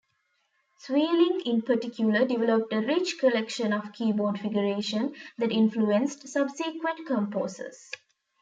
Sweelinck in particular developed a rich collection of keyboard figuration that influenced subsequent composers.